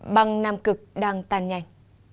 băng nam cực đang tan nhanh